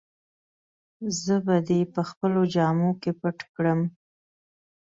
زه به دي په خپلو جامو کي پټ کړم.